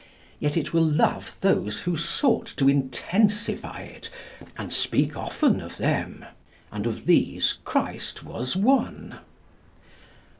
Yet it will love those who sought to intensify it, and speak often of them. And of these Christ was one.